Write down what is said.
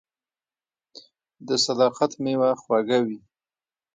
• د صداقت میوه خوږه وي.